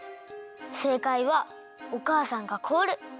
せいかいはおかあさんがこおる。